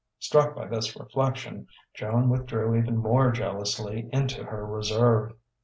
Struck by this reflection, Joan withdrew even more jealously into her reserve....